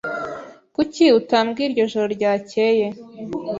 Kuki utambwiye iryo joro ryakeye?